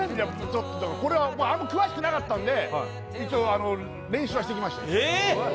ちょっとこれはあんま詳しくなかったんで一応練習はしてきましたえっ！？